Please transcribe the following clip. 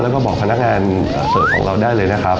แล้วก็บอกพนักงานเสิร์ฟของเราได้เลยนะครับ